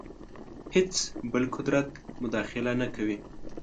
هېڅ بل قدرت مداخله نه کوي.